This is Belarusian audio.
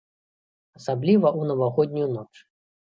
Асабліва ў навагоднюю ноч.